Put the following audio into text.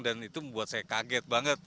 dan itu membuat saya kaget banget